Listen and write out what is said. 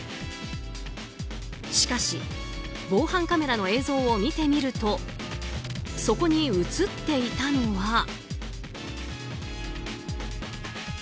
しかし防犯カメラの映像を見てみるとそこに映っていたのは。